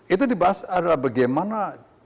itu dibahas adalah bagaimana